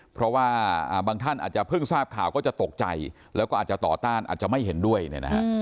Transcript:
เพราะว่าบางท่านอาจจะเพิ่งทราบข่าวก็จะตกใจแล้วก็อาจจะต่อต้านอาจจะไม่เห็นด้วยเนี่ยนะฮะ